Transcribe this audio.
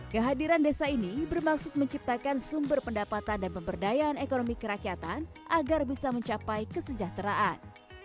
kehadiran desa ini bermaksud menciptakan sumber pendapatan dan pemberdayaan ekonomi kerakyatan agar bisa mencapai kesejahteraan